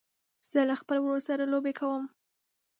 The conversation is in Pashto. زه له خپل ورور سره لوبې کوم.